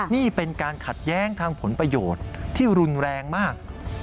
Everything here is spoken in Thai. นี่เป็นการขัดแย้งทางผลประโยชน์ที่รุนแรงมาก